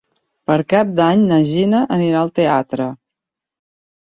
Per Cap d'Any na Gina anirà al teatre.